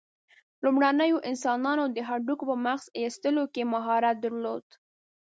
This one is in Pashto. لومړنیو انسانانو د هډوکو په مغزو ایستلو کې مهارت درلود.